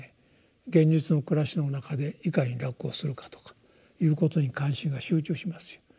現実の暮らしの中でいかに楽をするかとかいうことに関心が集中しますよ。